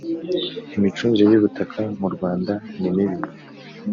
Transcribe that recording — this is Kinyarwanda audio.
imicungire y’ ubutaka mu rwanda nimibi.